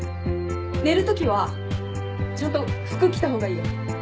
寝るときはちゃんと服着た方がいいよ。